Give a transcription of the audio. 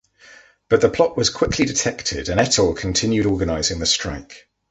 But the plot was quickly detected and Ettor continued organizing the strike.